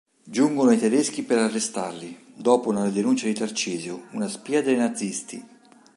Giungono i tedeschi per arrestarli, dopo una denuncia di Tarcisio, una spia dei nazisti.